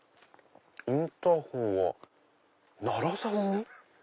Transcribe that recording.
「インターホンはならさずに」？